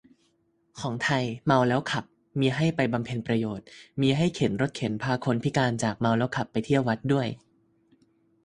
ของไทย เมาแล้วขับ มีให้ไปบำเพ็ญประโยชน์ มีให้เข็นรถเข็นพาคนพิการจากเมาแล้วขับไปเที่ยววัดด้วย